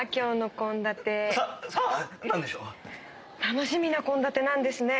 楽しみな献立なんですね。